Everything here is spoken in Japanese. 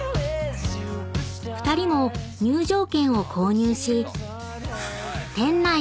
［２人も入場券を購入し］